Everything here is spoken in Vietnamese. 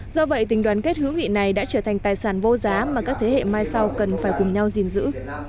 do vậy tình đoàn kết hữu nghị này đã trở thành tài sản vô giá mà các thế hệ mai sau cần phải cùng nhau gìn giữ